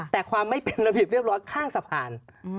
แต่ความไม่เป็นระเบียบเรียบร้อยข้างสะพาน